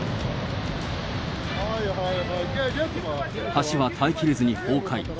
橋は耐えきれずに崩壊。